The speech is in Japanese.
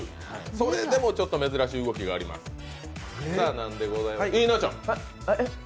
それでもちょっと珍しい動きがあります。